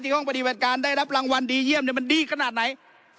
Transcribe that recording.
ห้องปฏิบัติการได้รับรางวัลดีเยี่ยมมันดีขนาดไหน